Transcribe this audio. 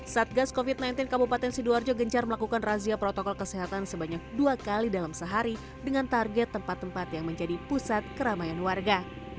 satgas covid sembilan belas kabupaten sidoarjo gencar melakukan razia protokol kesehatan sebanyak dua kali dalam sehari dengan target tempat tempat yang menjadi pusat keramaian warga